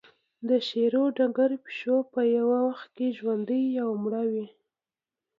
د شروډنګر پیشو په یو وخت کې ژوندۍ او مړه وي.